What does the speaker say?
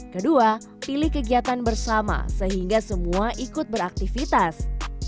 kedua pilih kegiatan bersama sehingga semua ikut beraktivitas